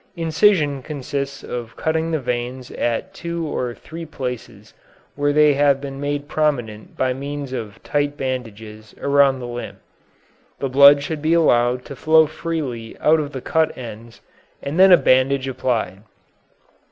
Incision consists of cutting the veins at two or three places when they have been made prominent by means of tight bandages around the limb. The blood should be allowed to flow freely out of the cut ends, and then a bandage applied.